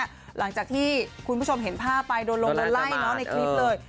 หลังจากที่คุณผู้ชมเห็นภาพไปโดนลงโดนไล่เนอะในคลิปเลย